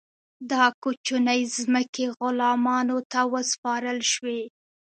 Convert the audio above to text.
دا کوچنۍ ځمکې غلامانو ته وسپارل شوې.